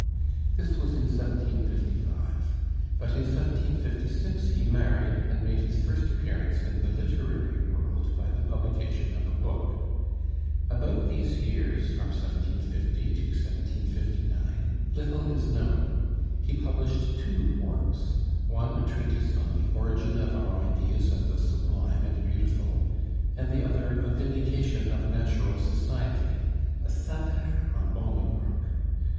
This was in 1755, but in 1756 he married, and made his first appearance in the literary world by the publication of a book. About these years from 1750 to 1759 little is known. He published two works, one a treatise on the 'Origin of our Ideas of the Sublime and Beautiful,' and the other a 'Vindication of Natural Society,' a satire on Bolingbroke.